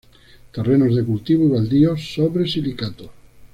Terrenos de cultivo y baldíos, sobre silicatos.